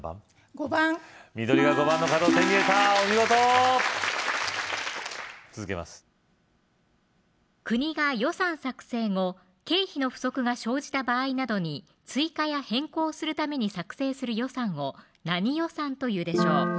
５番緑が５番の角を手に入れたお見事続けます国が予算作成後経費の不足が生じた場合などに追加や変更をするために作成する予算を何予算というでしょう赤